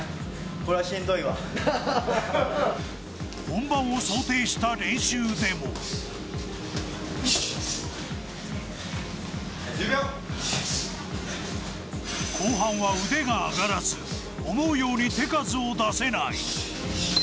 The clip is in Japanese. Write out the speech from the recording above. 本番を想定した練習でも後半は腕が上がらず思うように手数を出せない。